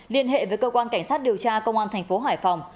liên hệ với cơ quan cảnh sát điều tra công an tp hải phòng